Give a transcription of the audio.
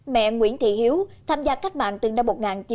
mẹ nguyễn thị hiếu tham gia cách mạng từ năm một nghìn chín trăm năm mươi năm